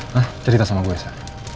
hah cerita sama gue sa